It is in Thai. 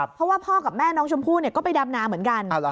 เพราะว่าพ่อกับแม่น้องชมพู่ก็ไปดำนาเหมือนกัน